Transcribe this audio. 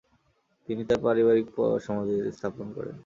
তিনি তার পারিবারিক সমাধিতে স্থাপন করেন।